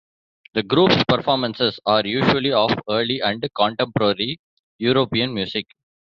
The group's performances are usually of early and contemporary European music.